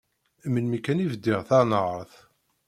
Melmi kan i bdiɣ tanhert.